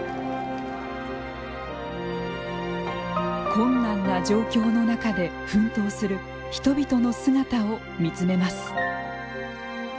困難な状況の中で奮闘する人々の姿を見つめます。